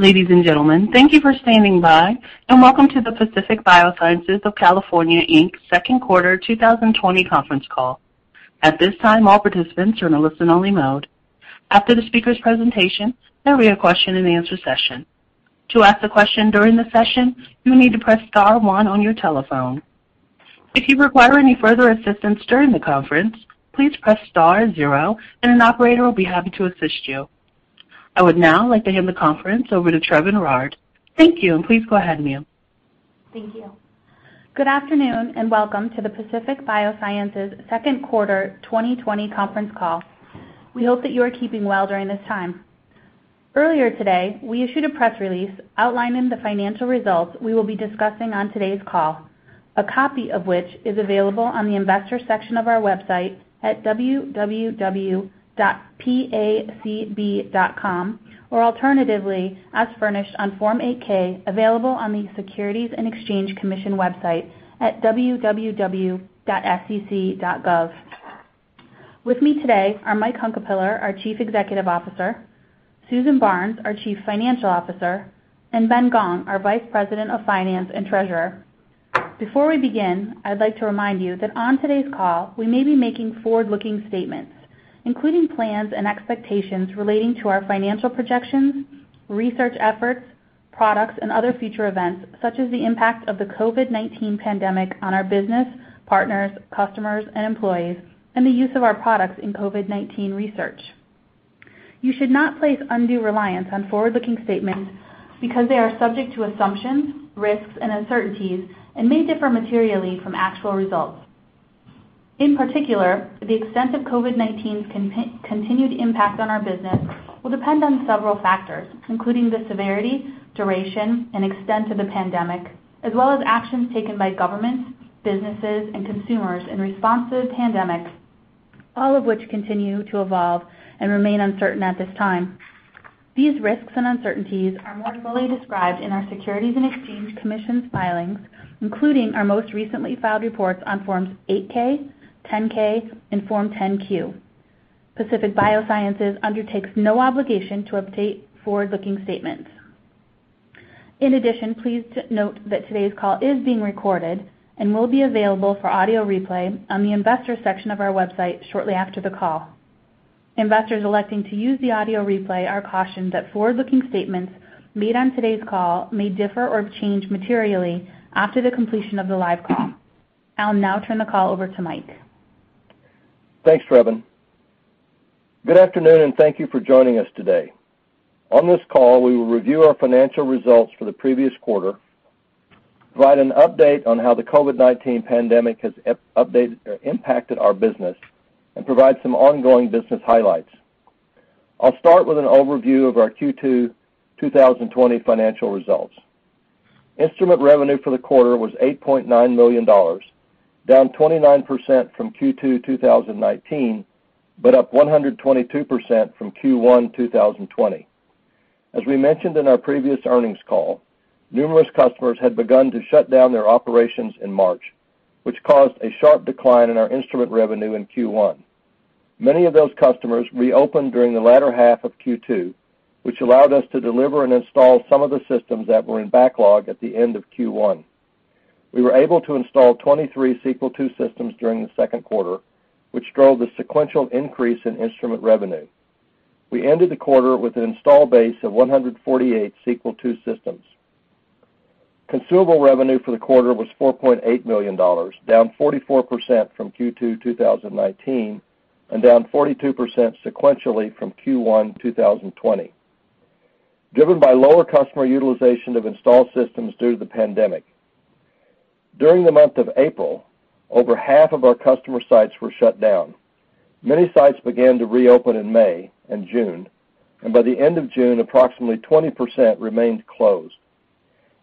Ladies and gentlemen, thank you for standing by, and welcome to the Pacific Biosciences of California, Inc., second quarter 2020 conference call. At this time, all participants are in a listen-only mode. After the speaker's presentation, there will be a question and answer session. To ask a question during the session, you need to press star one on your telephone. If you require any further assistance during the conference, please press star zero and an operator will be happy to assist you. I would now like to hand the conference over to Trevin Rard. Thank you, and please go ahead, ma'am. Thank you. Good afternoon, and welcome to the Pacific Biosciences second quarter 2020 conference call. We hope that you are keeping well during this time. Earlier today, we issued a press release outlining the financial results we will be discussing on today's call, a copy of which is available on the investor section of our website at www.pacb.com, or alternatively, as furnished on Form 8-K, available on the Securities and Exchange Commission website at www.sec.gov. With me today are Mike Hunkapiller, our Chief Executive Officer, Susan Barnes, our Chief Financial Officer, and Ben Gong, our Vice President of Finance and Treasurer. Before we begin, I'd like to remind you that on today's call, we may be making forward-looking statements, including plans and expectations relating to our financial projections, research efforts, products, and other future events, such as the impact of the COVID-19 pandemic on our business partners, customers, and employees, and the use of our products in COVID-19 research. You should not place undue reliance on forward-looking statements because they are subject to assumptions, risks, and uncertainties and may differ materially from actual results. In particular, the extent of COVID-19's continued impact on our business will depend on several factors, including the severity, duration, and extent of the pandemic, as well as actions taken by governments, businesses, and consumers in response to the pandemic, all of which continue to evolve and remain uncertain at this time. These risks and uncertainties are more fully described in our Securities and Exchange Commission filings, including our most recently filed reports on Forms 8-K, 10-K, and Form 10-Q. Pacific Biosciences undertakes no obligation to update forward-looking statements. In addition, please note that today's call is being recorded and will be available for audio replay on the investor section of our website shortly after the call. Investors electing to use the audio replay are cautioned that forward-looking statements made on today's call may differ or change materially after the completion of the live call. I'll now turn the call over to Mike. Thanks, Trevin. Good afternoon, and thank you for joining us today. On this call, we will review our financial results for the previous quarter, provide an update on how the COVID-19 pandemic has impacted our business, and provide some ongoing business highlights. I'll start with an overview of our Q2 2020 financial results. Instrument revenue for the quarter was $8.9 million, down 29% from Q2 2019, but up 122% from Q1 2020. As we mentioned in our previous earnings call, numerous customers had begun to shut down their operations in March, which caused a sharp decline in our instrument revenue in Q1. Many of those customers reopened during the latter half of Q2, which allowed us to deliver and install some of the systems that were in backlog at the end of Q1. We were able to install 23 Sequel II systems during the second quarter, which drove the sequential increase in instrument revenue. We ended the quarter with an install base of 148 Sequel II systems. Consumable revenue for the quarter was $4.8 million, down 44% from Q2 2019 and down 42% sequentially from Q1 2020, driven by lower customer utilization of installed systems due to the pandemic. During the month of April, over half of our customer sites were shut down. Many sites began to reopen in May and June, and by the end of June, approximately 20% remained closed.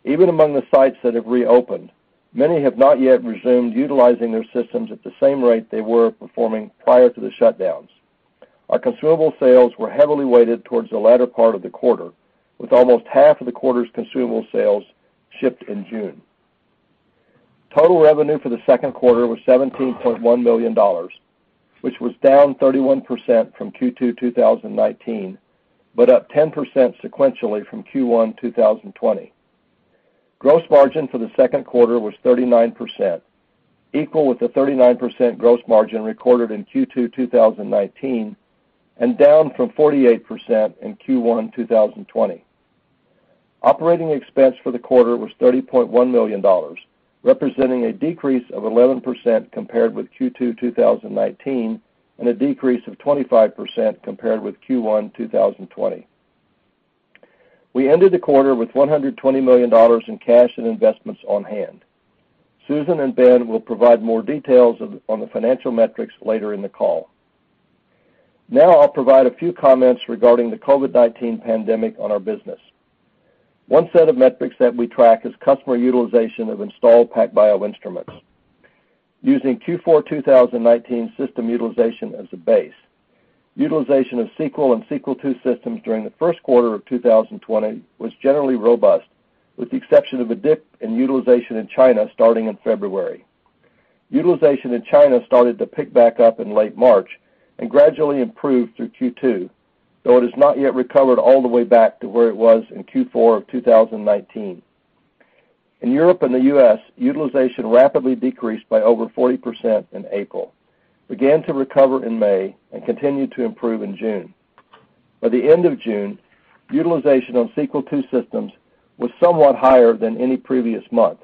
Even among the sites that have reopened, many have not yet resumed utilizing their systems at the same rate they were performing prior to the shutdowns. Our consumable sales were heavily weighted towards the latter part of the quarter, with almost half of the quarter's consumable sales shipped in June. Total revenue for the second quarter was $17.1 million, which was down 31% from Q2 2019, but up 10% sequentially from Q1 2020. Gross margin for the second quarter was 39%, equal with the 39% gross margin recorded in Q2 2019 and down from 48% in Q1 2020. Operating expense for the quarter was $30.1 million, representing a decrease of 11% compared with Q2 2019, and a decrease of 25% compared with Q1 2020. We ended the quarter with $120 million in cash and investments on hand. Susan and Ben will provide more details on the financial metrics later in the call. Now I'll provide a few comments regarding the COVID-19 pandemic on our business. One set of metrics that we track is customer utilization of installed PacBio instruments using Q4 2019 system utilization as a base. Utilization of Sequel and Sequel II systems during the first quarter of 2020 was generally robust, with the exception of a dip in utilization in China starting in February. Utilization in China started to pick back up in late March and gradually improved through Q2, though it has not yet recovered all the way back to where it was in Q4 of 2019. In Europe and the U.S., utilization rapidly decreased by over 40% in April, began to recover in May, and continued to improve in June. By the end of June, utilization on Sequel II systems was somewhat higher than any previous month,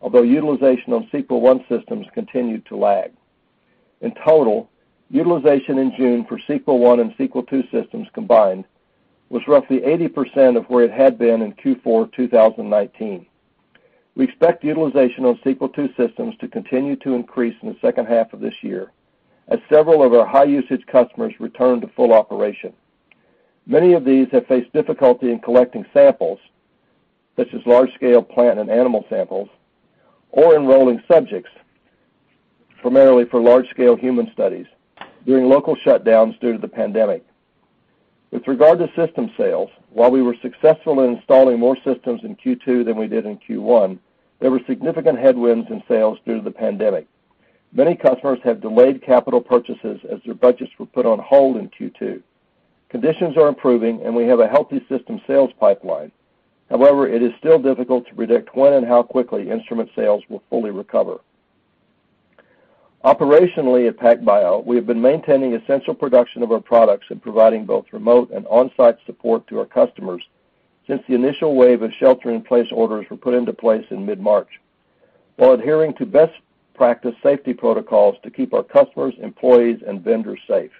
although utilization on Sequel I systems continued to lag. In total, utilization in June for Sequel I and Sequel II systems combined was roughly 80% of where it had been in Q4 2019. We expect utilization on Sequel II systems to continue to increase in the second half of this year as several of our high-usage customers return to full operation. Many of these have faced difficulty in collecting samples, such as large-scale plant and animal samples, or enrolling subjects, primarily for large-scale human studies, during local shutdowns due to the pandemic. With regard to system sales, while we were successful in installing more systems in Q2 than we did in Q1, there were significant headwinds in sales due to the pandemic. Many customers have delayed capital purchases as their budgets were put on hold in Q2. Conditions are improving, and we have a healthy system sales pipeline. However, it is still difficult to predict when and how quickly instrument sales will fully recover. Operationally at PacBio, we have been maintaining essential production of our products and providing both remote and on-site support to our customers since the initial wave of shelter-in-place orders were put into place in mid-March while adhering to best practice safety protocols to keep our customers, employees, and vendors safe.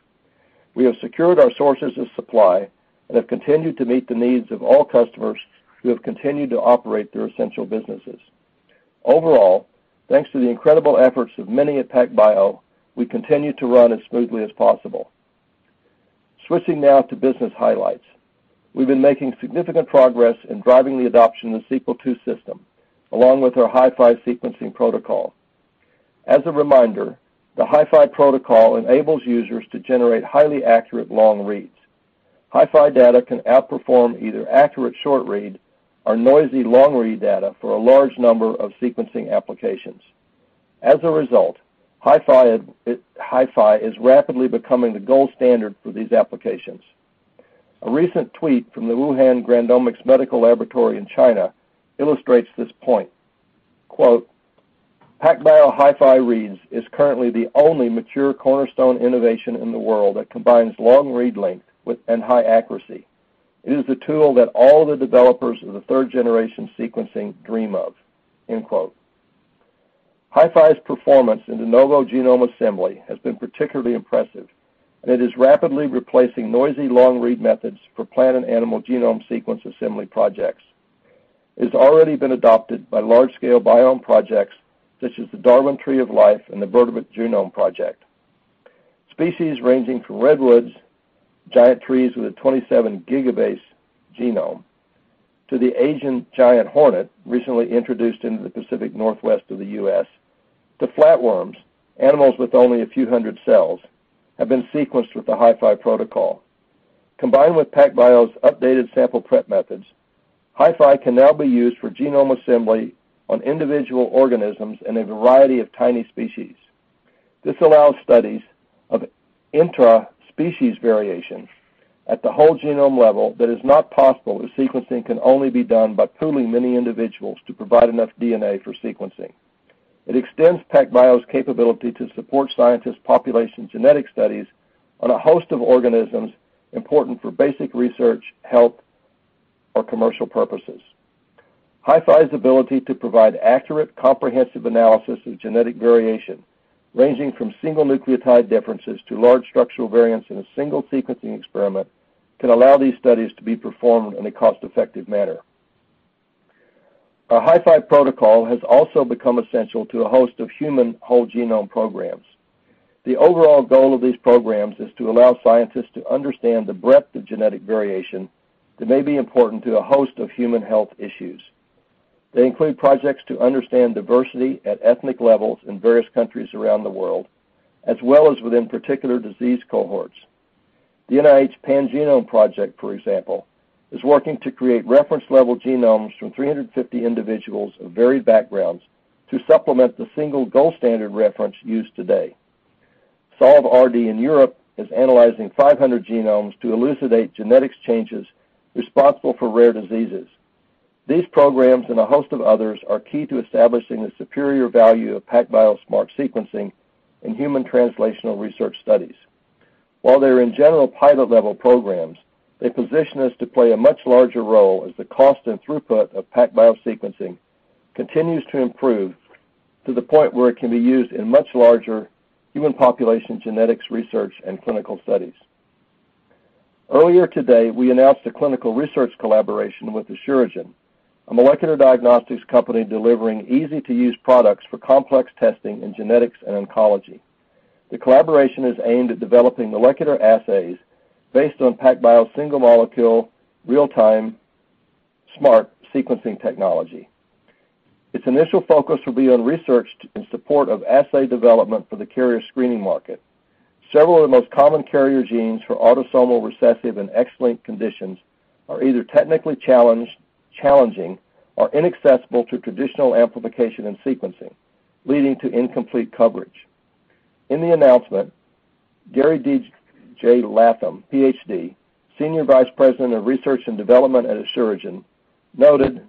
We have secured our sources of supply and have continued to meet the needs of all customers who have continued to operate their essential businesses. Overall, thanks to the incredible efforts of many at PacBio, we continue to run as smoothly as possible. Switching now to business highlights. We've been making significant progress in driving the adoption of the Sequel II system, along with our HiFi sequencing protocol. As a reminder, the HiFi protocol enables users to generate highly accurate long reads. HiFi data can outperform either accurate short-read or noisy long-read data for a large number of sequencing applications. As a result, HiFi is rapidly becoming the gold standard for these applications. A recent tweet from the Wuhan GrandOmics Medical Laboratory in China illustrates this point. "PacBio HiFi reads is currently the only mature cornerstone innovation in the world that combines long read length and high accuracy. It is the tool that all the developers of the third-generation sequencing dream of." HiFi's performance in de novo genome assembly has been particularly impressive, and it is rapidly replacing noisy long-read methods for plant and animal genome sequence assembly projects. It has already been adopted by large-scale biome projects such as the Darwin Tree of Life and the Vertebrate Genomes Project. Species ranging from redwoods, giant trees with a 27-gigabase genome, to the Asian giant hornet, recently introduced into the Pacific Northwest of the U.S., to flatworms, animals with only a few hundred cells, have been sequenced with the HiFi protocol. Combined with PacBio's updated sample prep methods, HiFi can now be used for genome assembly on individual organisms and a variety of tiny species. This allows studies of intra-species variations at the whole genome level that is not possible if sequencing can only be done by pooling many individuals to provide enough DNA for sequencing. It extends PacBio's capability to support scientists' population genetic studies on a host of organisms important for basic research, health, or commercial purposes. HiFi's ability to provide accurate, comprehensive analysis of genetic variation, ranging from single nucleotide differences to large structural variants in a single sequencing experiment, can allow these studies to be performed in a cost-effective manner. Our HiFi protocol has also become essential to a host of human whole genome programs. The overall goal of these programs is to allow scientists to understand the breadth of genetic variation that may be important to a host of human health issues. They include projects to understand diversity at ethnic levels in various countries around the world, as well as within particular disease cohorts. The NIH Pangenome Project, for example, is working to create reference-level genomes from 350 individuals of varied backgrounds to supplement the single gold standard reference used today. Solve-RD in Europe is analyzing 500 genomes to elucidate genetic changes responsible for rare diseases. These programs and a host of others are key to establishing the superior value of PacBio SMRT sequencing in human translational research studies. While they are in general pilot-level programs, they position us to play a much larger role as the cost and throughput of PacBio sequencing continues to improve to the point where it can be used in much larger human population genetics research and clinical studies. Earlier today, we announced a clinical research collaboration with Asuragen, a molecular diagnostics company delivering easy-to-use products for complex testing in genetics and oncology. The collaboration is aimed at developing molecular assays based on PacBio's single molecule real-time SMRT sequencing technology. Its initial focus will be on research in support of assay development for the carrier screening market. Several of the most common carrier genes for autosomal recessive and X-linked conditions are either technically challenging or inaccessible to traditional amplification and sequencing, leading to incomplete coverage. In the announcement, Gary J. Latham, PhD, Senior Vice President of Research and Development at Asuragen, noted,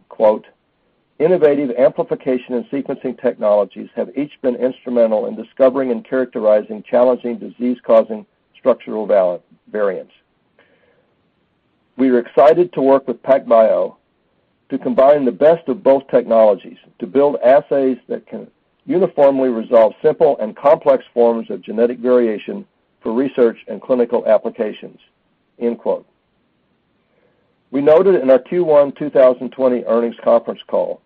"Innovative amplification and sequencing technologies have each been instrumental in discovering and characterizing challenging disease-causing structural variants. We are excited to work with PacBio to combine the best of both technologies to build assays that can uniformly resolve simple and complex forms of genetic variation for research and clinical applications." We noted in our Q1 2020 earnings conference call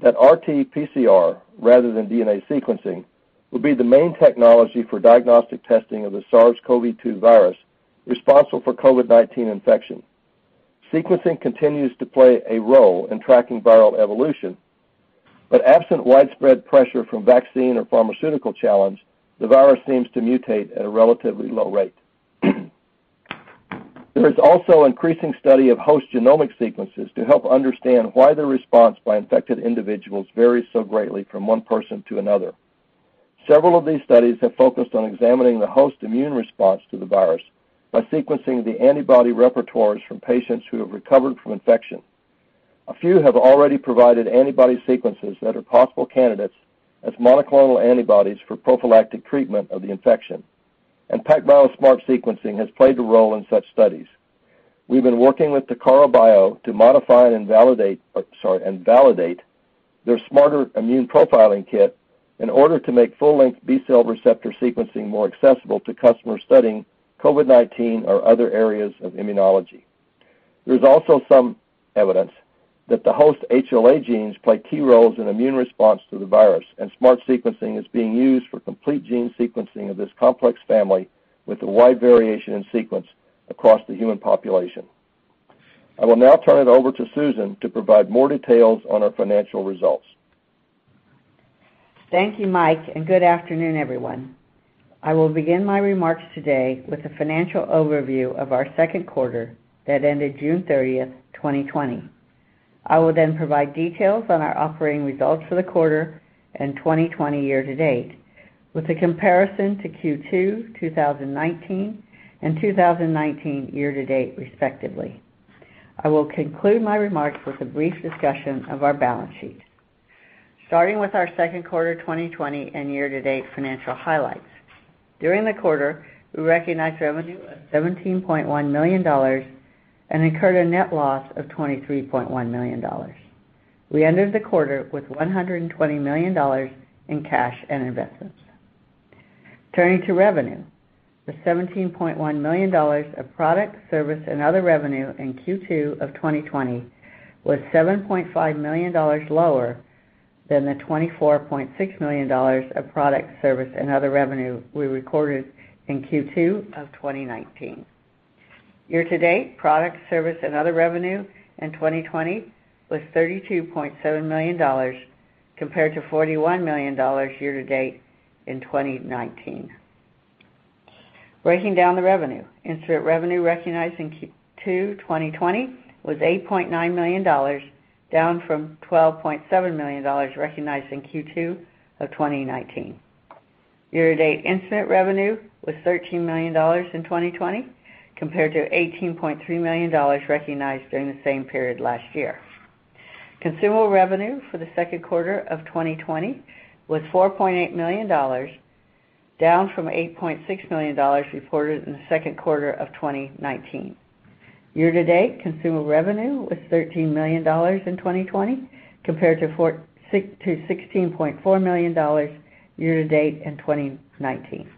that RT-PCR, rather than DNA sequencing, would be the main technology for diagnostic testing of the SARS-CoV-2 virus responsible for COVID-19 infection. Sequencing continues to play a role in tracking viral evolution, but absent widespread pressure from vaccine or pharmaceutical challenge, the virus seems to mutate at a relatively low rate. There is also increasing study of host genomic sequences to help understand why the response by infected individuals varies so greatly from one person to another. Several of these studies have focused on examining the host immune response to the virus by sequencing the antibody repertoires from patients who have recovered from infection. A few have already provided antibody sequences that are possible candidates as monoclonal antibodies for prophylactic treatment of the infection, and PacBio SMRT sequencing has played a role in such studies. We've been working with Takara Bio to modify and validate their SMART immune profiling kit in order to make full-length B-cell receptor sequencing more accessible to customers studying COVID-19 or other areas of immunology. There's also some evidence that the host HLA genes play key roles in immune response to the virus, and SMRT sequencing is being used for complete gene sequencing of this complex family with a wide variation in sequence across the human population. I will now turn it over to Susan to provide more details on our financial results. Thank you, Mike, and good afternoon, everyone. I will begin my remarks today with a financial overview of our second quarter that ended June 30th, 2020. I will then provide details on our operating results for the quarter and 2020 year-to-date, with a comparison to Q2 2019 and 2019 year-to-date respectively. I will conclude my remarks with a brief discussion of our balance sheet. Starting with our second quarter 2020 and year-to-date financial highlights. During the quarter, we recognized revenue of $17.1 million and incurred a net loss of $23.1 million. We ended the quarter with $120 million in cash and investments. Turning to revenue, the $17.1 million of product, service, and other revenue in Q2 of 2020 was $7.5 million lower than the $24.6 million of product, service, and other revenue we recorded in Q2 of 2019. Year-to-date product, service, and other revenue in 2020 was $32.7 million, compared to $41 million year-to-date in 2019. Breaking down the revenue, instrument revenue recognized in Q2 2020 was $8.9 million, down from $12.7 million recognized in Q2 of 2019. Year-to-date instrument revenue was $13 million in 2020, compared to $18.3 million recognized during the same period last year. Consumable revenue for the second quarter of 2020 was $4.8 million, down from $8.6 million reported in the second quarter of 2019. Year-to-date consumable revenue was $13 million in 2020, compared to $16.4 million year-to-date in 2019.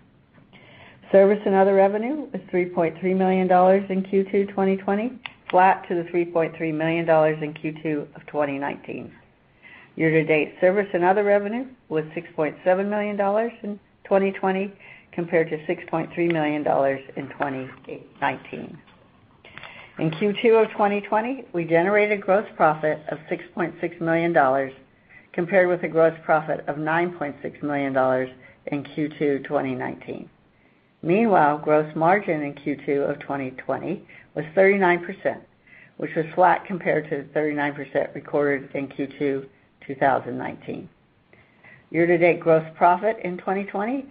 Service and other revenue was $3.3 million in Q2 2020, flat to the $3.3 million in Q2 of 2019. Year-to-date service and other revenue was $6.7 million in 2020, compared to $6.3 million in 2019. In Q2 of 2020, we generated gross profit of $6.6 million, compared with a gross profit of $9.6 million in Q2 2019. Meanwhile, gross margin in Q2 of 2020 was 39%, which was flat compared to the 39% recorded in Q2 2019. Year-to-date gross profit in 2020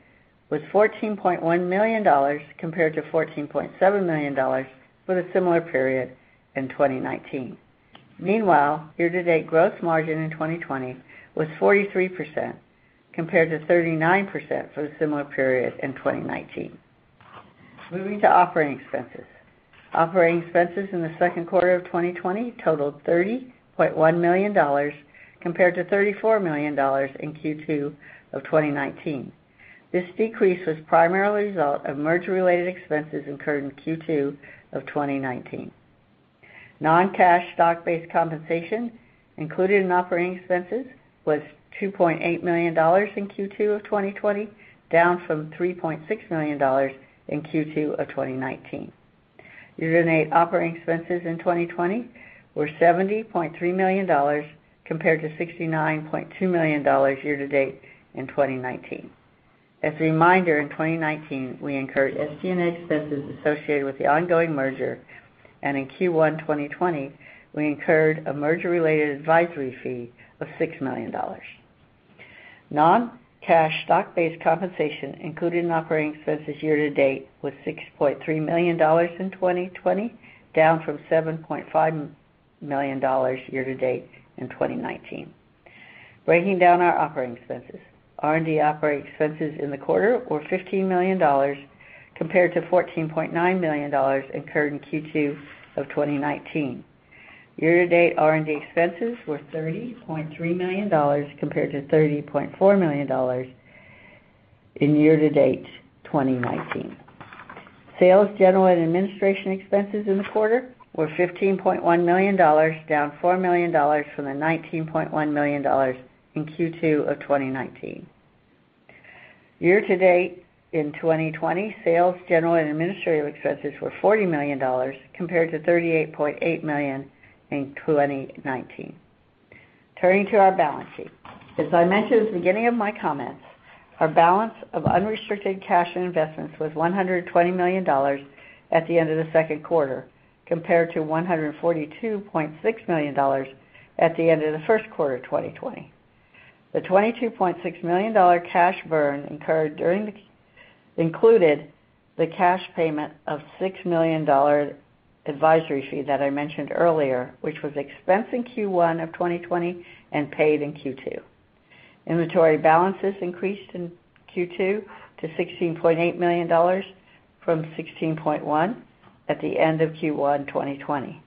was $14.1 million, compared to $14.7 million for the similar period in 2019. Meanwhile, year-to-date gross margin in 2020 was 43%, compared to 39% for the similar period in 2019. Moving to operating expenses. Operating expenses in the second quarter of 2020 totaled $30.1 million, compared to $34 million in Q2 of 2019. This decrease was primarily a result of merger-related expenses incurred in Q2 of 2019. Non-cash stock-based compensation included in operating expenses was $2.8 million in Q2 of 2020, down from $3.6 million in Q2 of 2019. Year-to-date operating expenses in 2020 were $70.3 million compared to $69.2 million year-to-date in 2019. As a reminder, in 2019, we incurred SG&A expenses associated with the ongoing merger, and in Q1 2020, we incurred a merger-related advisory fee of $6 million. Non-cash stock-based compensation included in operating expenses year-to-date was $6.3 million in 2020, down from $7.5 million year-to-date in 2019. Breaking down our operating expenses. R&D operating expenses in the quarter were $15 million compared to $14.9 million incurred in Q2 of 2019. Year-to-date, R&D expenses were $30.3 million compared to $30.4 million in year-to-date 2019. Sales, general, and administration expenses in the quarter were $15.1 million, down $4 million from the $19.1 million in Q2 of 2019. Year-to-date in 2020, sales, general, and administrative expenses were $40 million, compared to $38.8 million in 2019. Turning to our balance sheet. As I mentioned at the beginning of my comments, our balance of unrestricted cash and investments was $120 million at the end of the second quarter, compared to $142.6 million at the end of the first quarter 2020. The $22.6 million cash burn incurred included the cash payment of $6 million advisory fee that I mentioned earlier, which was expensed in Q1 of 2020 and paid in Q2. Inventory balances increased in Q2 to $16.8 million from $16.1 million at the end of Q1 2020.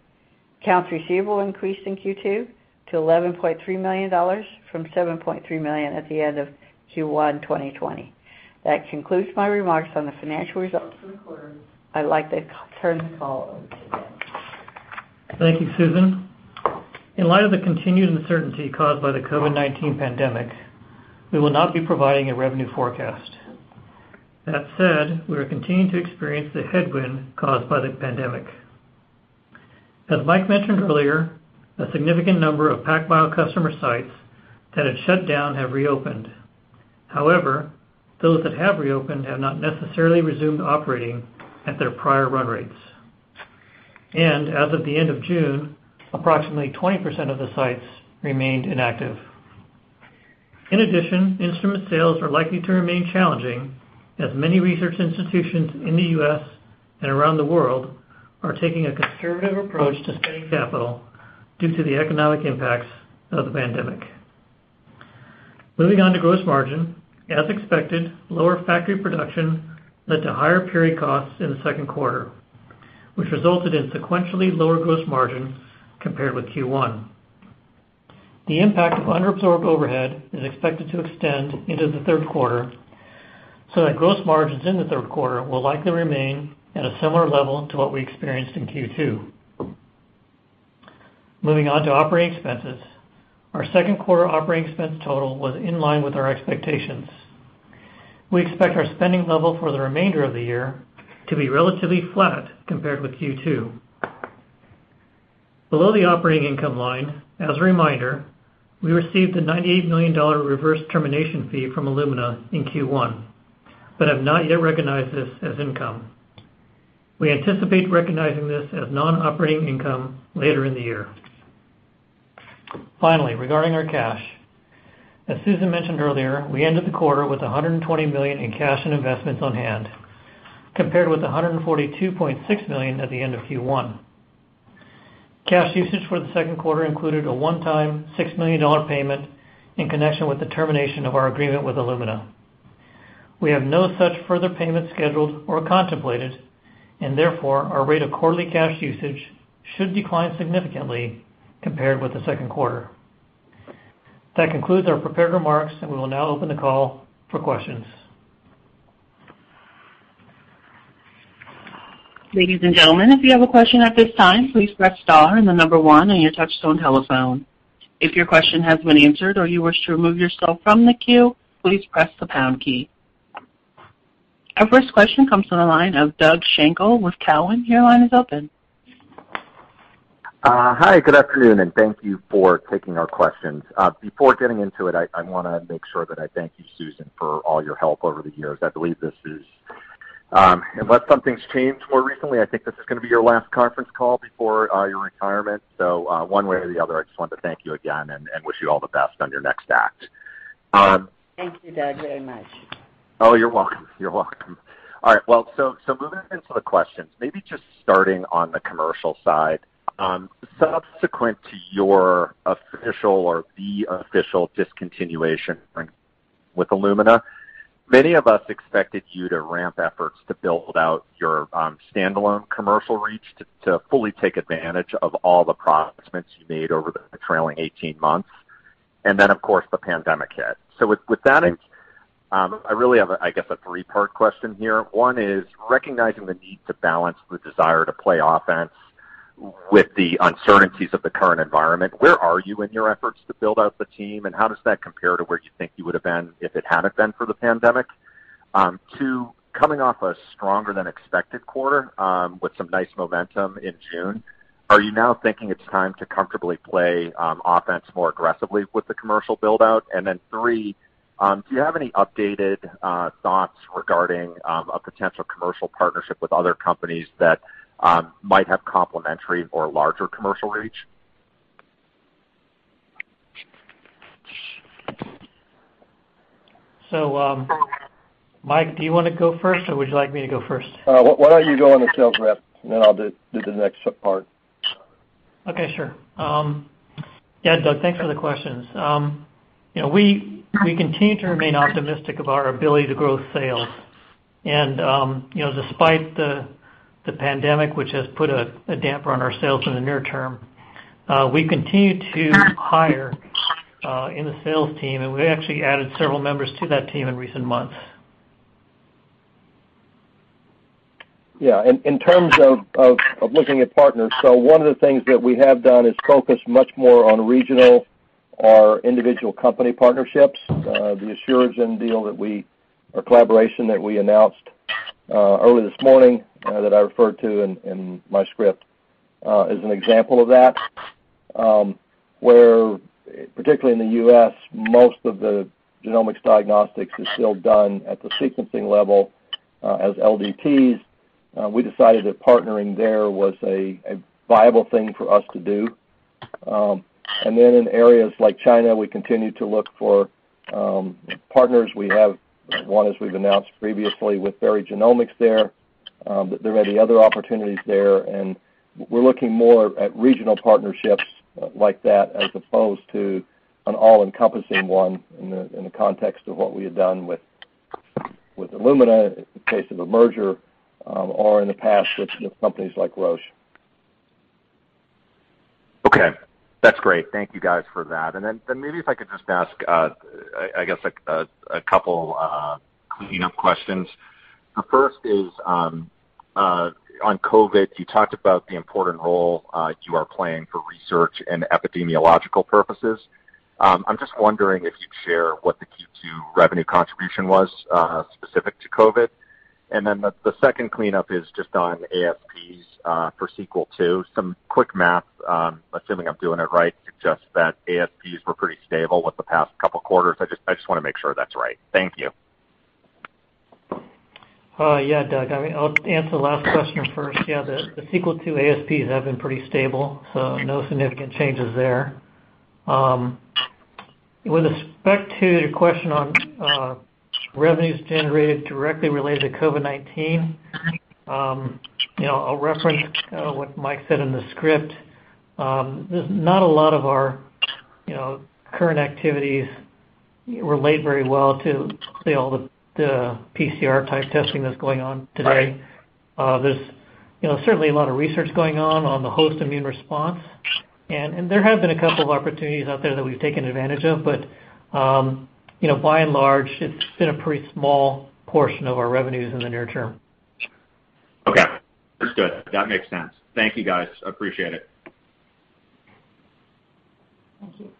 Accounts receivable increased in Q2 to $11.3 million from $7.3 million at the end of Q1 2020. That concludes my remarks on the financial results for the quarter. I'd like to turn the call over to Ben. Thank you, Susan. In light of the continued uncertainty caused by the COVID-19 pandemic, we will not be providing a revenue forecast. That said, we are continuing to experience the headwind caused by the pandemic. As Mike mentioned earlier, a significant number of PacBio customer sites that had shut down have reopened. However, those that have reopened have not necessarily resumed operating at their prior run rates. As of the end of June, approximately 20% of the sites remained inactive. In addition, instrument sales are likely to remain challenging as many research institutions in the U.S. and around the world are taking a conservative approach to spending capital due to the economic impacts of the pandemic. Moving on to gross margin. As expected, lower factory production led to higher period costs in the second quarter, which resulted in sequentially lower gross margin compared with Q1. The impact of unabsorbed overhead is expected to extend into the third quarter, so that gross margins in the third quarter will likely remain at a similar level to what we experienced in Q2. Moving on to operating expenses. Our second quarter operating expense total was in line with our expectations. We expect our spending level for the remainder of the year to be relatively flat compared with Q2. Below the operating income line, as a reminder, we received a $98 million reverse termination fee from Illumina in Q1, but have not yet recognized this as income. We anticipate recognizing this as non-operating income later in the year. Regarding our cash. As Susan mentioned earlier, we ended the quarter with $120 million in cash and investments on hand, compared with $142.6 million at the end of Q1. Cash usage for the second quarter included a one-time $6 million payment in connection with the termination of our agreement with Illumina. We have no such further payments scheduled or contemplated, and therefore, our rate of quarterly cash usage should decline significantly compared with the second quarter. That concludes our prepared remarks, and we will now open the call for questions. Ladies and gentlemen, if you have a question at this time, please press star and the number 1 on your touch-tone telephone. If your question has been answered or you wish to remove yourself from the queue, please press the pound key. Our first question comes from the line of Doug Schenkel with Cowen. Your line is open. Hi, good afternoon. Thank you for taking our questions. Before getting into it, I want to make sure that I thank you, Susan, for all your help over the years. I believe this is, unless something's changed more recently, I think this is going to be your last conference call before your retirement. One way or the other, I just wanted to thank you again and wish you all the best on your next act. Thank you, Doug, very much. Oh, you're welcome. All right. Well, moving into the questions, maybe just starting on the commercial side. Subsequent to your official or the official discontinuation with Illumina, many of us expected you to ramp efforts to build out your standalone commercial reach to fully take advantage of all the prospects you made over the trailing 18 months. Of course, the pandemic hit. With that in, I really have, I guess, a three-part question here. One is, recognizing the need to balance the desire to play offense with the uncertainties of the current environment, where are you in your efforts to build out the team? How does that compare to where you think you would've been if it hadn't been for the pandemic? Two, coming off a stronger than expected quarter with some nice momentum in June, are you now thinking it's time to comfortably play offense more aggressively with the commercial build-out? Three, do you have any updated thoughts regarding a potential commercial partnership with other companies that might have complementary or larger commercial reach? Mike, do you want to go first or would you like me to go first? Why don't you go on the sales reps, and then I'll do the next part. Okay. Sure. Yeah, Doug, thanks for the questions. We continue to remain optimistic of our ability to grow sales. Despite the pandemic, which has put a damper on our sales in the near term, we continue to hire in the sales team, and we actually added several members to that team in recent months. Yeah. In terms of looking at partners, one of the things that we have done is focus much more on regional or individual company partnerships. The Asuragen deal, or collaboration, that we announced early this morning, that I referred to in my script, is an example of that. Where, particularly in the U.S., most of the genomics diagnostics is still done at the sequencing level as LDTs, we decided that partnering there was a viable thing for us to do. In areas like China, we continue to look for partners. We have one, as we've announced previously, with Berry Genomics there may be other opportunities there, we're looking more at regional partnerships like that as opposed to an all-encompassing one in the context of what we had done with Illumina in the case of a merger, or in the past with companies like Roche. Okay. That's great. Thank you guys for that. Maybe if I could just ask, I guess, a couple cleaning up questions. The first is, on COVID, you talked about the important role you are playing for research and epidemiological purposes. I'm just wondering if you'd share what the Q2 revenue contribution was specific to COVID. The second cleanup is just on ASPs for Sequel II. Some quick math, assuming I'm doing it right, suggests that ASPs were pretty stable with the past couple of quarters. I just want to make sure that's right. Thank you. Doug, I'll answer the last question first. The Sequel II ASPs have been pretty stable. No significant changes there. With respect to your question on revenues generated directly related to COVID-19, I'll reference what Mike said in the script. Not a lot of our current activities relate very well to, say, all the PCR-type testing that's going on today. There's certainly a lot of research going on on the host immune response. There have been a couple of opportunities out there that we've taken advantage of. By and large, it's been a pretty small portion of our revenues in the near term. Okay. That's good. That makes sense. Thank you, guys. I appreciate it. Thank you.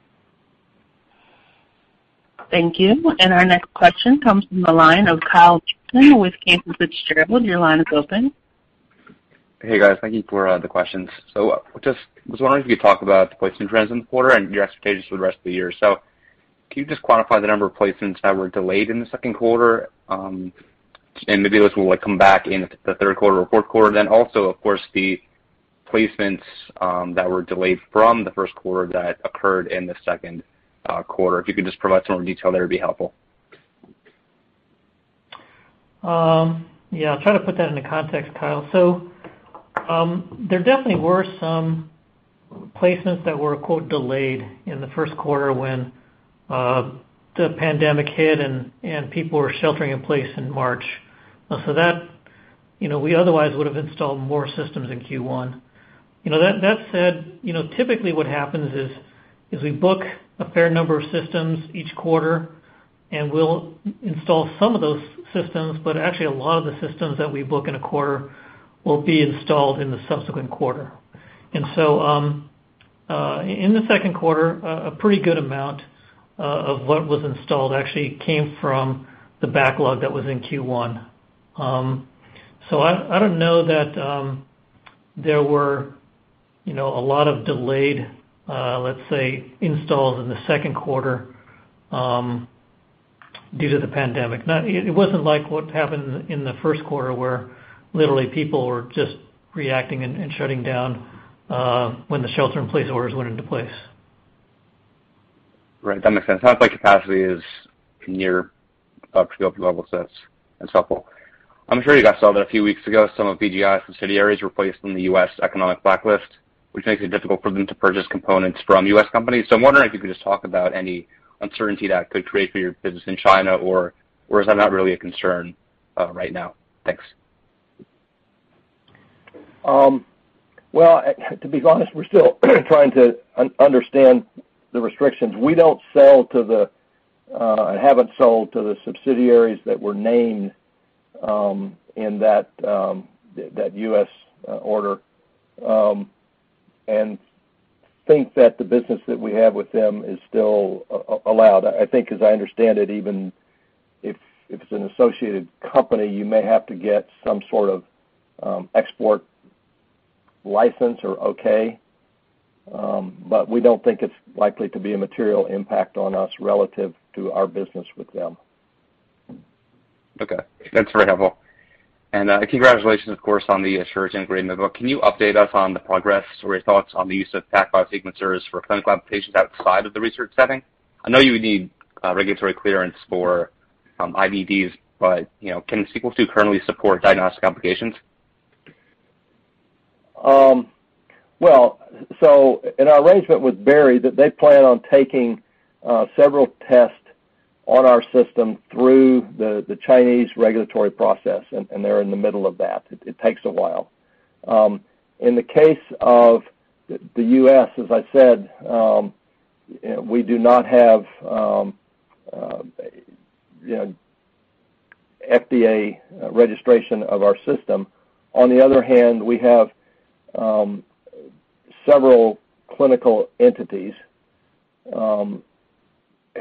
Thank you. Our next question comes from the line of Kyle Mikson with Cantor Fitzgerald. Your line is open. Hey, guys. Thank you for the questions. Just was wondering if you could talk about the placement trends in the quarter and your expectations for the rest of the year. Can you just quantify the number of placements that were delayed in the second quarter, and maybe those will come back in the third quarter or fourth quarter, then also, of course, the placements that were delayed from the first quarter that occurred in the second quarter. If you could just provide some more detail there, it'd be helpful. Yeah, I'll try to put that into context, Kyle. There definitely were some placements that were "delayed" in the first quarter when the pandemic hit and people were sheltering in place in March. That, we otherwise would've installed more systems in Q1. That said, typically what happens is we book a fair number of systems each quarter, and we'll install some of those systems, but actually a lot of the systems that we book in a quarter will be installed in the subsequent quarter. In the second quarter, a pretty good amount of what was installed actually came from the backlog that was in Q1. I don't know that there were a lot of delayed, let's say, installs in the second quarter due to the pandemic. It wasn't like what happened in the first quarter, where literally people were just reacting and shutting down when the shelter-in-place orders went into place. Right. That makes sense. Sounds like capacity is near up to go level, so that's helpful. I'm sure you guys saw that a few weeks ago, some of BGI's subsidiaries were placed on the U.S. economic blacklist, which makes it difficult for them to purchase components from U.S. companies. I'm wondering if you could just talk about any uncertainty that could create for your business in China, or is that not really a concern right now? Thanks. Well, to be honest, we're still trying to understand the restrictions. I haven't sold to the subsidiaries that were named in that U.S. order and think that the business that we have with them is still allowed. I think, as I understand it, even if it's an associated company, you may have to get some sort of export license or OK. We don't think it's likely to be a material impact on us relative to our business with them. Okay. That's very helpful. Congratulations, of course, on the Asuragen agreement, but can you update us on the progress or your thoughts on the use of PacBio sequencers for clinical applications outside of the research setting? I know you would need regulatory clearance for IVDs, but can Sequel II currently support diagnostic applications? In our arrangement with Berry, they plan on taking several tests on our system through the Chinese regulatory process. They're in the middle of that. It takes a while. In the case of the U.S., as I said, we do not have FDA registration of our system. On the other hand, we have several clinical entities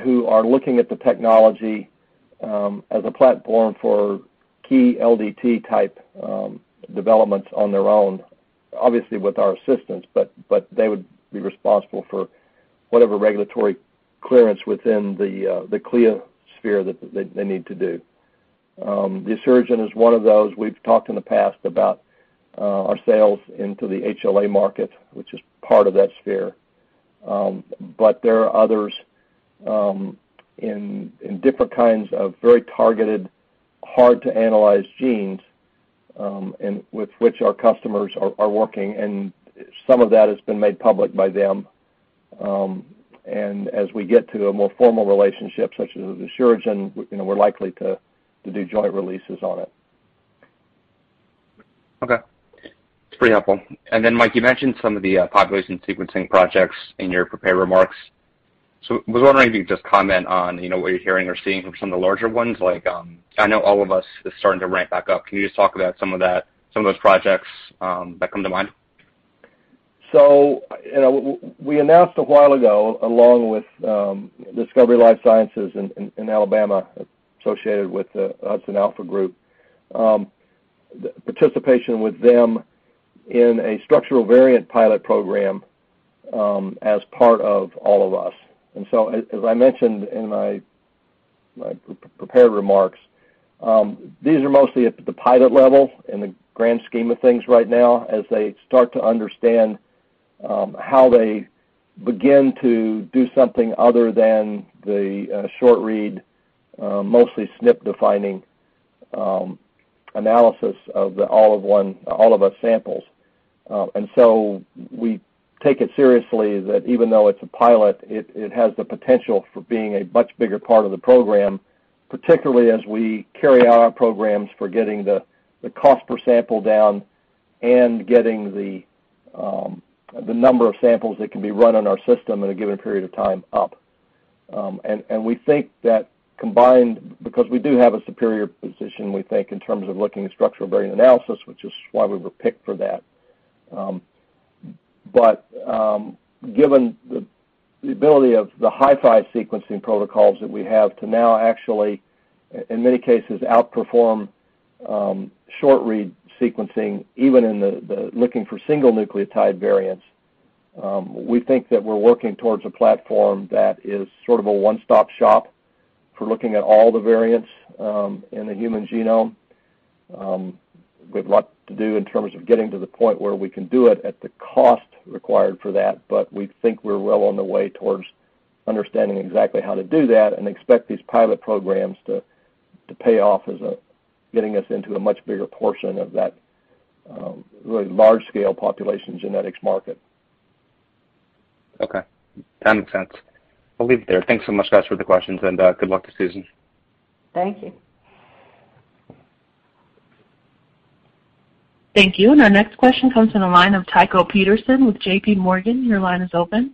who are looking at the technology as a platform for key LDT-type developments on their own, obviously with our assistance. They would be responsible for whatever regulatory clearance within the CLIA sphere that they need to do. Asuragen is one of those. We've talked in the past about our sales into the HLA market, which is part of that sphere. There are others in different kinds of very targeted, hard-to-analyze genes with which our customers are working. Some of that has been made public by them. As we get to a more formal relationship, such as with Asuragen, we're likely to do joint releases on it. Okay. That's pretty helpful. Mike, you mentioned some of the population sequencing projects in your prepared remarks. I was wondering if you could just comment on what you're hearing or seeing from some of the larger ones, like I know All of Us is starting to ramp back up. Can you just talk about some of those projects that come to mind? We announced a while ago, along with Discovery Life Sciences in Alabama, associated with the HudsonAlpha group, participation with them in a structural variant pilot program as part of All of Us. As I mentioned in my prepared remarks, these are mostly at the pilot level in the grand scheme of things right now, as they start to understand how they begin to do something other than the short-read, mostly SNP-defining analysis of the All of Us samples. We take it seriously that even though it's a pilot, it has the potential for being a much bigger part of the program, particularly as we carry out our programs for getting the cost per sample down and getting the number of samples that can be run on our system in a given period of time up. We think that combined, because we do have a superior position, we think, in terms of looking at structural variant analysis, which is why we were picked for that. Given the ability of the HiFi sequencing protocols that we have to now actually, in many cases, outperform short-read sequencing, even in the looking for single nucleotide variants, we think that we're working towards a platform that is sort of a one-stop shop for looking at all the variants in the human genome. We've a lot to do in terms of getting to the point where we can do it at the cost required for that, but we think we're well on the way towards understanding exactly how to do that and expect these pilot programs to pay off as getting us into a much bigger portion of that really large-scale population genetics market. Okay. That makes sense. I'll leave it there. Thanks so much, guys, for the questions, and good luck to Susan. Thank you. Thank you. Our next question comes from the line of Tycho Peterson with JPMorgan. Your line is open.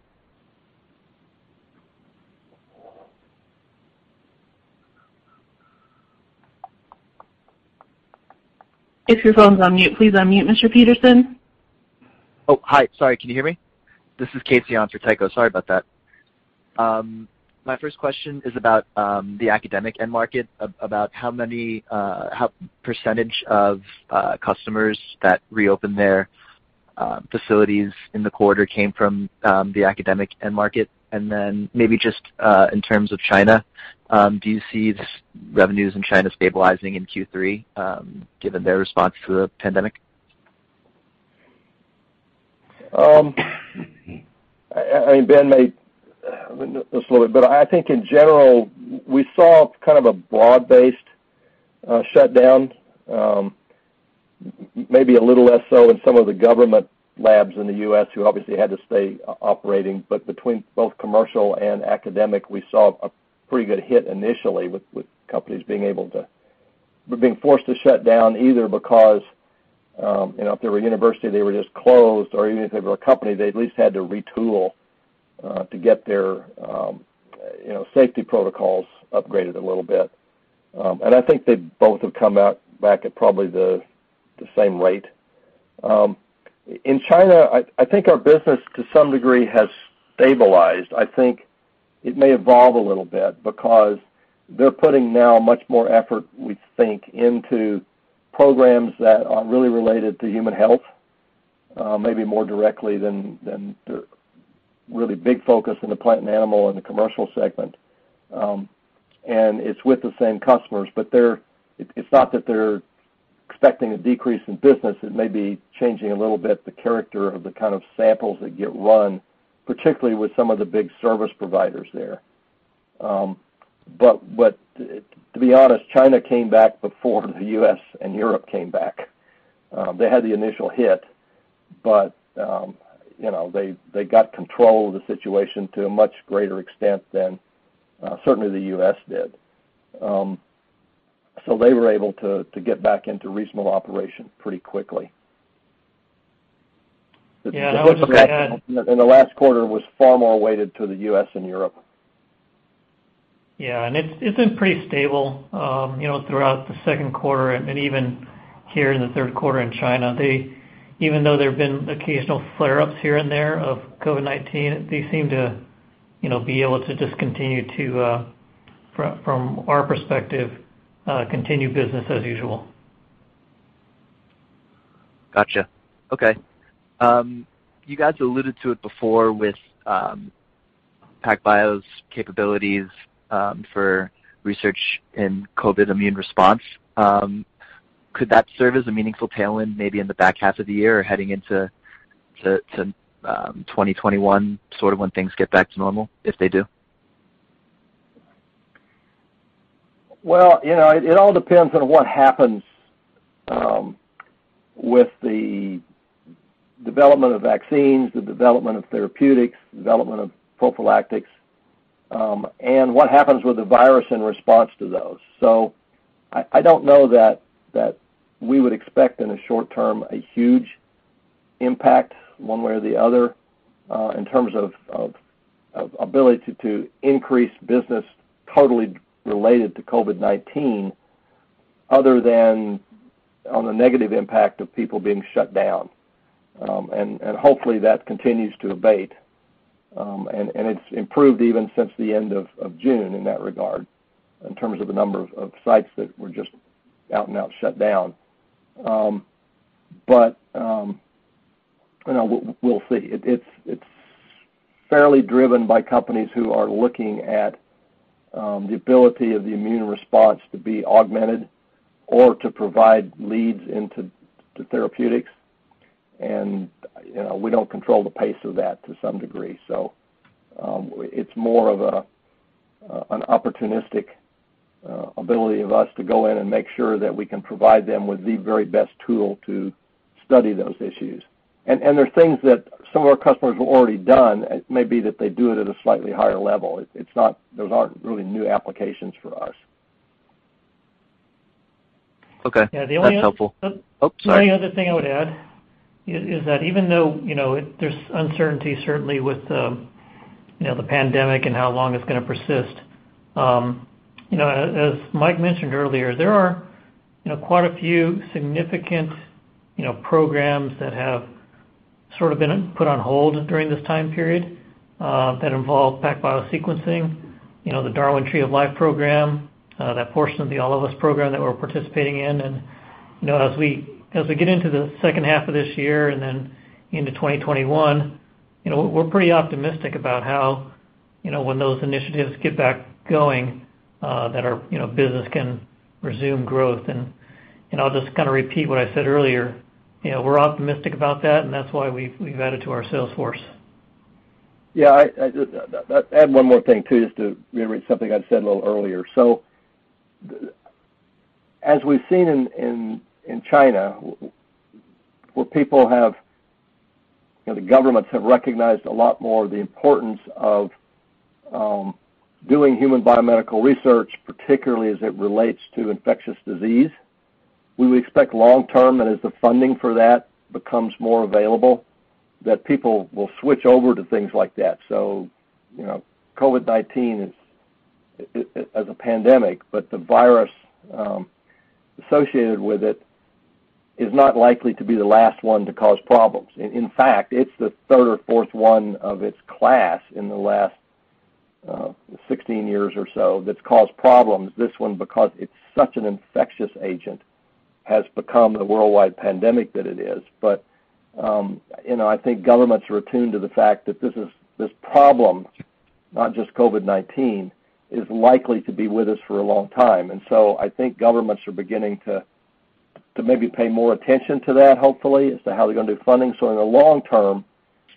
If your phone's on mute, please unmute, Mr. Peterson. Oh, hi. Sorry. Can you hear me? This is Casey on for Tycho. Sorry about that. My first question is about the academic end market, about how percentage of customers that reopened their facilities in the quarter came from the academic end market. Maybe just in terms of China, do you see revenues in China stabilizing in Q3, given their response to the pandemic? I mean, Ben may know this a little bit, but I think in general, we saw kind of a broad-based shutdown, maybe a little less so in some of the government labs in the U.S. who obviously had to stay operating. Between both commercial and academic, we saw a pretty good hit initially with companies being forced to shut down, either because if they were a university, they were just closed, or even if they were a company, they at least had to retool to get their safety protocols upgraded a little bit. I think they both have come out back at probably the same rate. In China, I think our business, to some degree, has stabilized. I think it may evolve a little bit because they're putting now much more effort, we think, into programs that are really related to human health maybe more directly than the really big focus in the plant and animal and the commercial segment. It's with the same customers, but it's not that they're expecting a decrease in business. It may be changing a little bit the character of the kind of samples that get run, particularly with some of the big service providers there. To be honest, China came back before the U.S. and Europe came back. They had the initial hit, but they got control of the situation to a much greater extent than certainly the U.S. did. They were able to get back into reasonable operation pretty quickly. Yeah. The last quarter was far more weighted to the U.S. and Europe. Yeah. It's been pretty stable throughout the second quarter and even here in the third quarter in China. Even though there have been occasional flare-ups here and there of COVID-19, they seem to be able to just, from our perspective, continue business as usual. Got you. Okay. You guys alluded to it before with PacBio's capabilities for research in COVID immune response. Could that serve as a meaningful tailwind maybe in the back half of the year or heading into 2021, sort of when things get back to normal, if they do? It all depends on what happens with the development of vaccines, the development of therapeutics, the development of prophylactics, and what happens with the virus in response to those. I don't know that we would expect in a short term a huge impact one way or the other, in terms of ability to increase business totally related to COVID-19, other than on the negative impact of people being shut down. Hopefully that continues to abate, and it's improved even since the end of June in that regard, in terms of the number of sites that were just out and out shut down. We'll see. It's fairly driven by companies who are looking at the ability of the immune response to be augmented or to provide leads into therapeutics. We don't control the pace of that to some degree. It's more of an opportunistic ability of us to go in and make sure that we can provide them with the very best tool to study those issues. They're things that some of our customers have already done. It may be that they do it at a slightly higher level. Those aren't really new applications for us. Okay. That's helpful. Yeah. Oh, sorry. The only other thing I would add is that even though there's uncertainty certainly with the pandemic and how long it's going to persist, as Mike mentioned earlier, there are quite a few significant programs that have sort of been put on hold during this time period that involve PacBio sequencing, the Darwin Tree of Life program, that portion of the All of Us program that we're participating in. As we get into the second half of this year and then into 2021, we're pretty optimistic about how when those initiatives get back going, that our business can resume growth. I'll just kind of repeat what I said earlier, we're optimistic about that, and that's why we've added to our sales force. Yeah. I'd add one more thing, too, just to reiterate something I've said a little earlier. As we've seen in China, where the governments have recognized a lot more of the importance of doing human biomedical research, particularly as it relates to infectious disease, we expect long-term, and as the funding for that becomes more available, that people will switch over to things like that. COVID-19 is a pandemic, the virus associated with it is not likely to be the last one to cause problems. In fact, it's the third or fourth one of its class in the last 16 years or so that's caused problems. This one, because it's such an infectious agent, has become the worldwide pandemic that it is. I think governments are attuned to the fact that this problem, not just COVID-19, is likely to be with us for a long time. I think governments are beginning to maybe pay more attention to that hopefully as to how they're going to do funding. In the long term,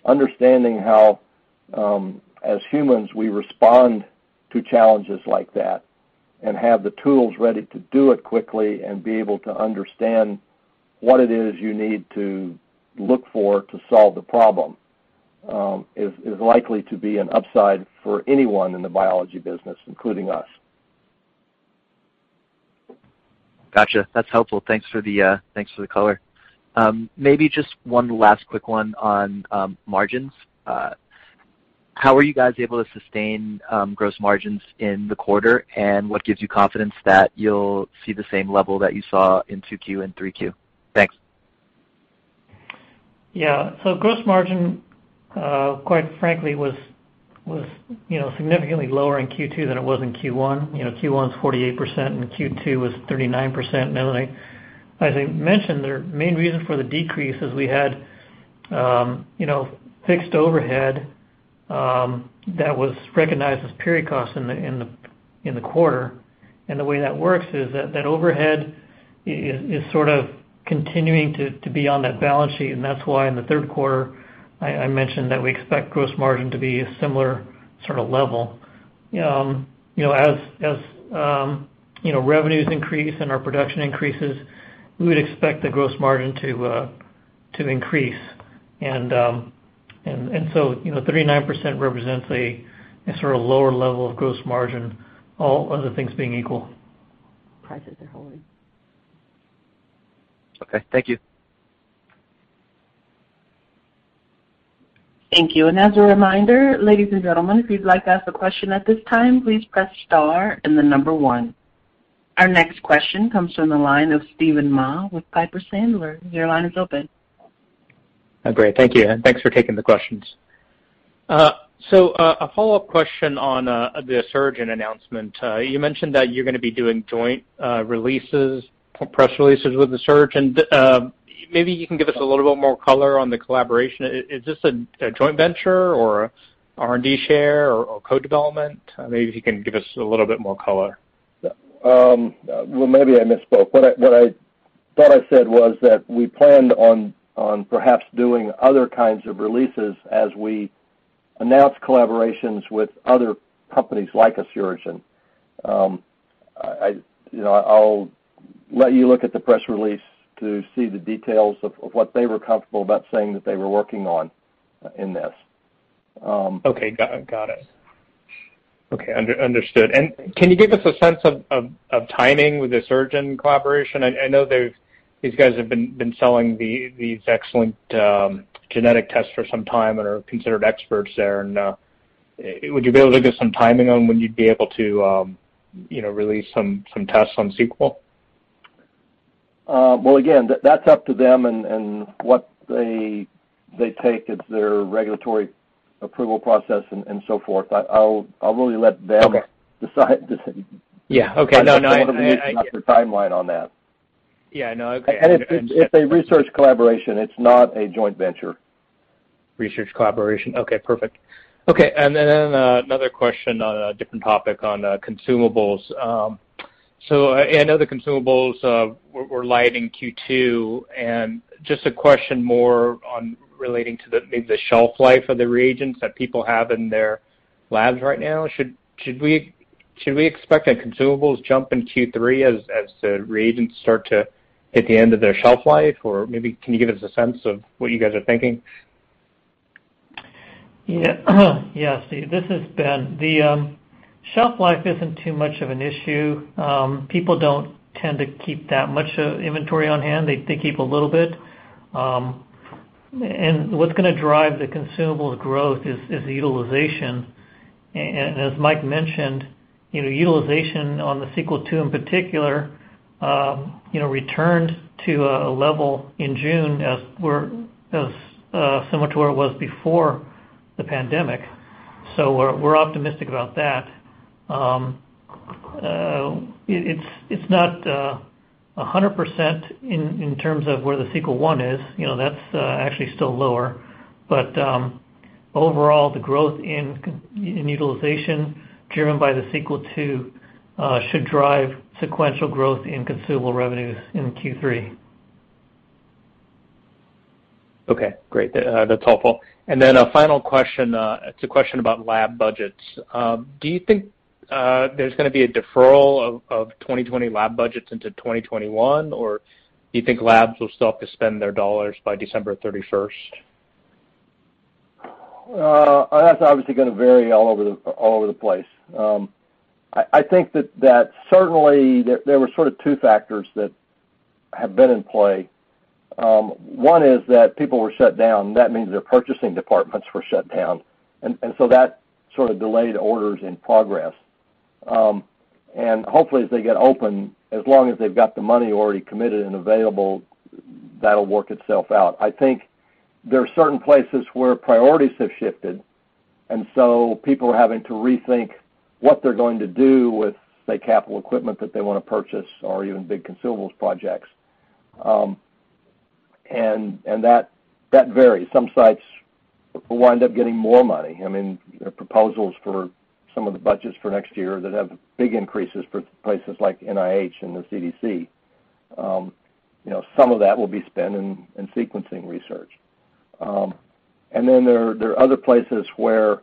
understanding how, as humans, we respond to challenges like that and have the tools ready to do it quickly and be able to understand what it is you need to look for to solve the problem is likely to be an upside for anyone in the biology business, including us. Gotcha. That's helpful. Thanks for the color. Maybe just one last quick one on margins. How were you guys able to sustain gross margins in the quarter, and what gives you confidence that you'll see the same level that you saw in 2Q and 3Q? Thanks. Gross margin, quite frankly, was significantly lower in Q2 than it was in Q1. Q1 is 48%, and Q2 was 39%. As I mentioned, the main reason for the decrease is we had fixed overhead that was recognized as period cost in the quarter. The way that works is that overhead is sort of continuing to be on that balance sheet, and that's why in the third quarter, I mentioned that we expect gross margin to be a similar sort of level. As revenues increase and our production increases, we would expect the gross margin to increase. 39% represents a sort of lower level of gross margin, all other things being equal. Prices are holding. Okay. Thank you. Thank you. As a reminder, ladies and gentlemen, if you'd like to ask a question at this time, please press star and the number 1. Our next question comes from the line of Steven Mah with Piper Sandler. Your line is open. Great. Thank you, and thanks for taking the questions. A follow-up question on the Asuragen announcement. You mentioned that you're going to be doing joint releases or press releases with Asuragen. Maybe you can give us a little bit more color on the collaboration. Is this a joint venture or R&D share or co-development? Maybe if you can give us a little bit more color. Well, maybe I misspoke. What I thought I said was that we planned on perhaps doing other kinds of releases as we announce collaborations with other companies like Asuragen. I'll let you look at the press release to see the details of what they were comfortable about saying that they were working on in this. Okay, got it. Okay, understood. Can you give us a sense of timing with the Asuragen collaboration? I know these guys have been selling these excellent genetic tests for some time and are considered experts there, and would you be able to give some timing on when you'd be able to release some tests on Sequel? Again, that's up to them and what they take as their regulatory approval process and so forth. I'll really let them. Okay decide to- Yeah. Okay. No. I'm not going to release an accurate timeline on that. Yeah, no, okay. Understood. It's a research collaboration. It's not a joint venture. Research collaboration. Okay, perfect. Okay, another question on a different topic on consumables. I know the consumables were light in Q2, and just a question more on relating to the maybe the shelf life of the reagents that people have in their labs right now. Should we expect a consumables jump in Q3 as the reagents start to hit the end of their shelf life? Maybe can you give us a sense of what you guys are thinking? Yeah, Steven. Shelf life isn't too much of an issue. People don't tend to keep that much inventory on hand. They keep a little bit. What's going to drive the consumables growth is the utilization. As Mike mentioned, utilization on the Sequel II in particular, returned to a level in June as similar to where it was before the pandemic. We're optimistic about that. It's not 100% in terms of where the Sequel I is. That's actually still lower. Overall, the growth in utilization driven by the Sequel II should drive sequential growth in consumable revenues in Q3. Okay, great. That's helpful. A final question. It's a question about lab budgets. Do you think there's going to be a deferral of 2020 lab budgets into 2021, or do you think labs will still have to spend their dollars by December 31st? That's obviously going to vary all over the place. I think that certainly there were sort of two factors that have been in play. One is that people were shut down. That means their purchasing departments were shut down, and so that sort of delayed orders in progress. Hopefully, as they get open, as long as they've got the money already committed and available, that'll work itself out. I think there are certain places where priorities have shifted, and so people are having to rethink what they're going to do with, say, capital equipment that they want to purchase or even big consumables projects. That varies. Some sites will wind up getting more money. There are proposals for some of the budgets for next year that have big increases for places like NIH and the CDC. Some of that will be spent in sequencing research. There are other places where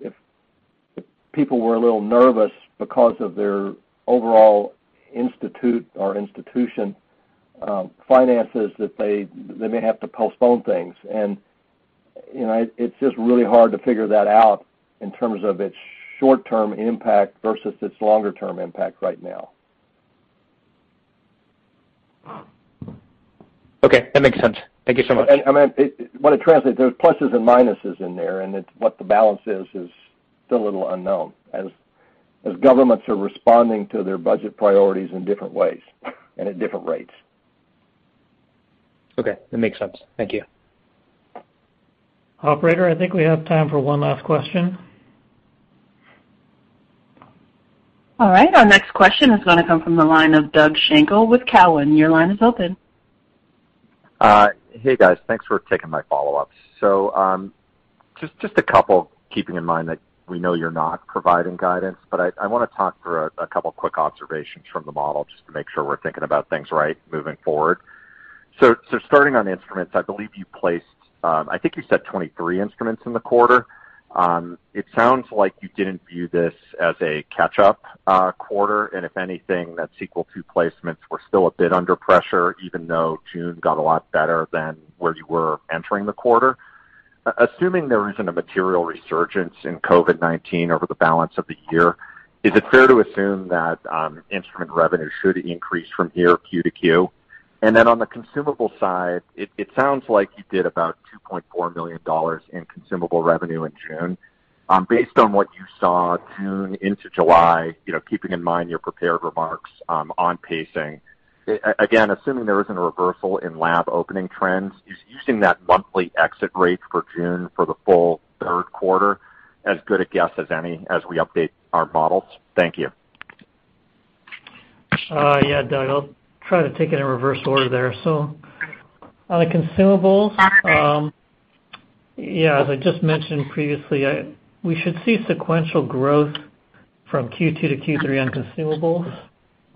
if people were a little nervous because of their overall institute or institution finances, that they may have to postpone things. It's just really hard to figure that out in terms of its short-term impact versus its longer-term impact right now. Okay, that makes sense. Thank you so much. What it translates, there's pluses and minuses in there, and what the balance is still a little unknown as governments are responding to their budget priorities in different ways and at different rates. Okay. That makes sense. Thank you. Operator, I think we have time for one last question. All right, our next question is going to come from the line of Doug Schenkel with Cowen. Your line is open. Hey, guys. Thanks for taking my follow-up. Just a couple, keeping in mind that we know you're not providing guidance, but I want to talk through a couple quick observations from the model just to make sure we're thinking about things right moving forward. Starting on instruments, I believe you placed, I think you said 23 instruments in the quarter. It sounds like you didn't view this as a catch-up quarter, and if anything, that Sequel II placements were still a bit under pressure, even though June got a lot better than where you were entering the quarter. Assuming there isn't a material resurgence in COVID-19 over the balance of the year, is it fair to assume that instrument revenue should increase from here Q to Q? On the consumable side, it sounds like you did about $2.4 million in consumable revenue in June. Based on what you saw June into July, keeping in mind your prepared remarks on pacing, again, assuming there isn't a reversal in lab opening trends, is using that monthly exit rate for June for the full third quarter as good a guess as any as we update our models? Thank you. Yeah, Doug, I'll try to take it in reverse order there. On the consumables, as I just mentioned previously, we should see sequential growth from Q2 to Q3 on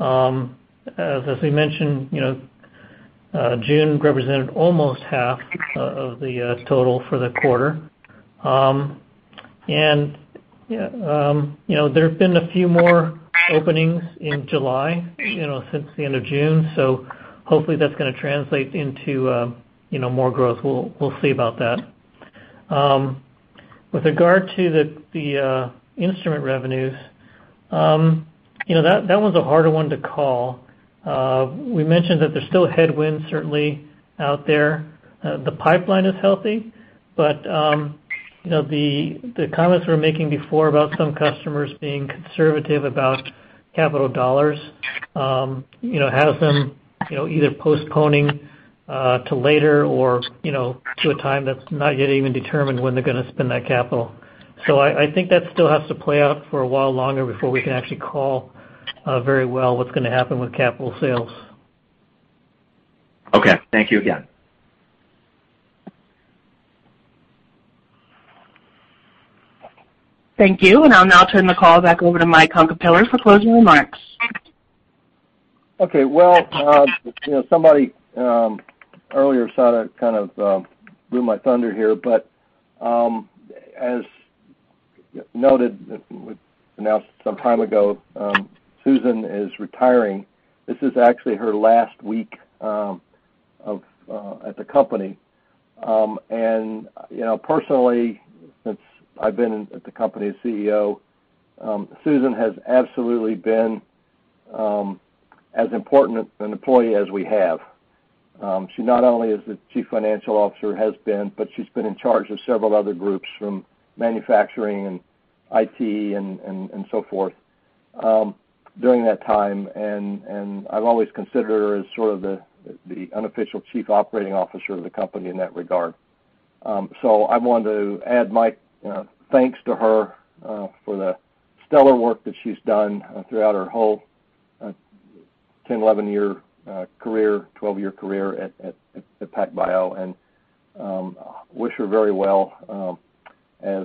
consumables. As we mentioned, June represented almost half of the total for the quarter. There have been a few more openings in July, since the end of June. Hopefully, that's going to translate into more growth. We'll see about that. With regard to the instrument revenues, that one's a harder one to call. We mentioned that there's still headwinds, certainly, out there. The pipeline is healthy, but the comments we were making before about some customers being conservative about capital dollars has them either postponing to later or to a time that's not yet even determined when they're going to spend that capital. I think that still has to play out for a while longer before we can actually call very well what's going to happen with capital sales. Okay. Thank you again. Thank you. I'll now turn the call back over to Michael Hunkapiller for closing remarks. Well, somebody earlier sort of blew my thunder here. As noted, announced some time ago, Susan is retiring. This is actually her last week at the company. Personally, since I've been at the company as CEO, Susan has absolutely been as important an employee as we have. She not only is the Chief Financial Officer, has been, but she's been in charge of several other groups from manufacturing and IT and so forth during that time. I've always considered her as sort of the unofficial Chief Operating Officer of the company in that regard. I wanted to add my thanks to her for the stellar work that she's done throughout her whole 10, 11-year career, 12-year career at PacBio, and wish her very well as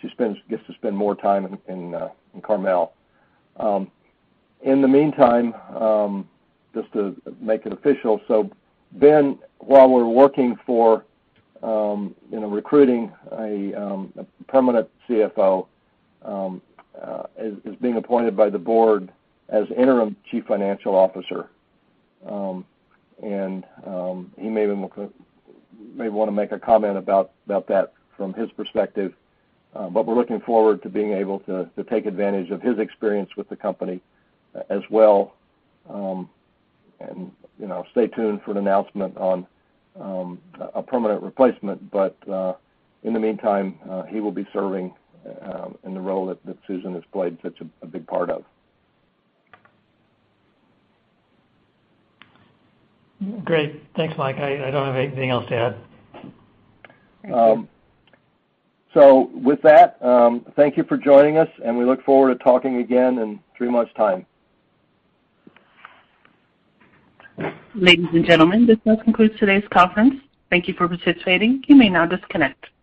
she gets to spend more time in Carmel. In the meantime, just to make it official, Ben, while we're working for recruiting a permanent CFO, is being appointed by the board as interim Chief Financial Officer. He may want to make a comment about that from his perspective. We're looking forward to being able to take advantage of his experience with the company as well. Stay tuned for an announcement on a permanent replacement. In the meantime, he will be serving in the role that Susan has played such a big part of. Great. Thanks, Mike. I don't have anything else to add. Thank you. With that, thank you for joining us, and we look forward to talking again in three months' time. Ladies and gentlemen, this does conclude today's conference. Thank you for participating. You may now disconnect.